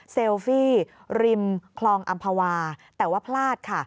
ฟี่ริมคลองอำภาวาแต่ว่าพลาดค่ะ